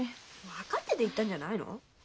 分かってて行ったんじゃないの？